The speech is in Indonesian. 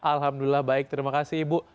alhamdulillah baik terima kasih ibu